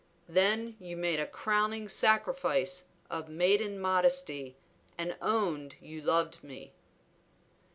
Then you made a crowning sacrifice of maiden modesty and owned you loved me."